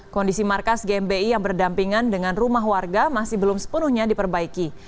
kondisi markas gmbi yang berdampingan dengan rumah warga masih belum sepenuhnya diperbaiki